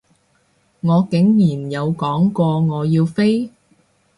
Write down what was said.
我竟然有講過我要飛？